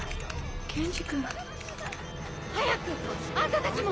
健二君。早く！あんたたちも！